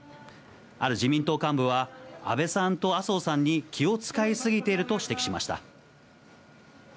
ある自民党幹部は、安倍さんと麻生さんに気を遣い過ぎていると指摘しました。